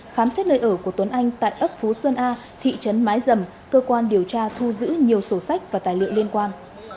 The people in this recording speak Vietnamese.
khám xét nơi ở của tuấn anh tại ấp phú xuân a thị trấn mái dầm cơ quan điều tra thu giữ nhiều sổ sách và tài liệu liên quan